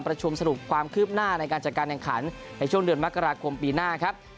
ประชุมสรุปความคืบหน้าในการจัดการแข่งขันในช่วงเดือนมกราคมปีหน้าครับ